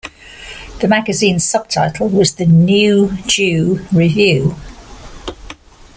The magazine's subtitle was "The New Jew Review".